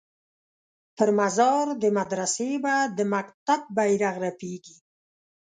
پر مزار د مدرسې به د مکتب بیرغ رپیږي